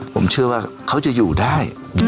ผมเชื่อว่าเขาจะอยู่ได้